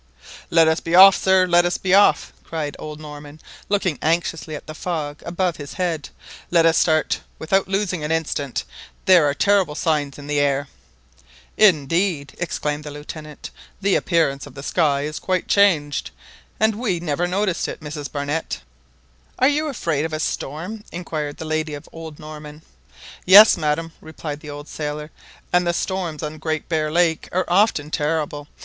"Let us be off, sir! let us be off!" cried old Norman, looking anxiously at the fog above his head. " Let us start without losing an instant. There are terrible signs in the air!" "Indeed," exclaimed the Lieutenant, "the appearance of the sky is quite changed, and we never noticed it, Mrs Barnett!" "Are you afraid of a storm?" inquired the lady of old Norman. "Yes, madam," replied the old sailor; "and the storms on the Great Bear Lake are often terrible.